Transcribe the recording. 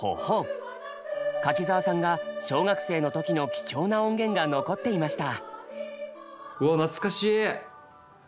柿澤さんが小学生の時の貴重な音源が残っていました。